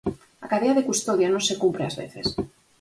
A cadea de custodia non se cumpre ás veces.